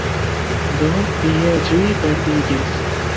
Do ie ĝi perdiĝis.